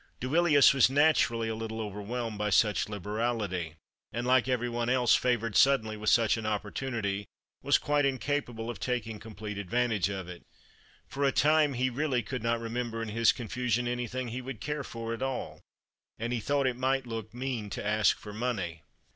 Duilius was naturally a little overwhelmed by such liberality, and, like every one else favoured suddenly with such an opportunity, was quite incapable of taking complete advantage of it. For a time he really could not remember in his confusion anything he would care for at all, and he thought it might look mean to ask for money.